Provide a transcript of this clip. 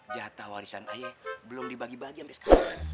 jatah warisan aye belum dibagi bagi sampe sekarang